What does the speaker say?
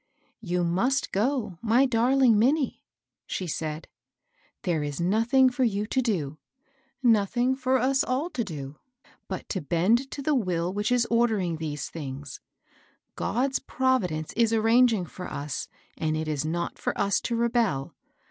" You must go, my darling Minnie," she said. UNWELCOME NEWS. 117 •* There is nothing for you to do, — nothing for us all to do, but to bend to the Will which is ordering these things. God's providence is ar ranging for us, and it is not for us to rebel.